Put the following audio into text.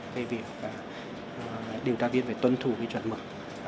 về việc điều tra viên phải tuân thủ cái chuẩn mực